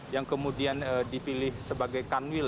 yang kemudian dipilih sebagai kanwil